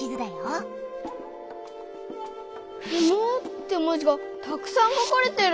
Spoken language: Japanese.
「不毛」って文字がたくさん書かれてる。